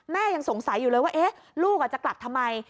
ยังสงสัยอยู่เลยว่าลูกจะกลับทำไม